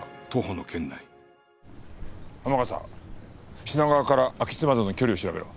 天笠品川から秋津までの距離を調べろ。